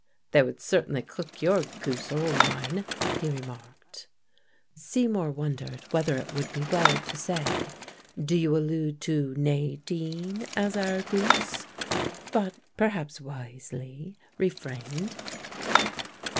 "They would certainly cook your goose or mine," he remarked. Seymour wondered whether it would be well to say, "Do you allude to Nadine as our goose?" but, perhaps wisely, refrained.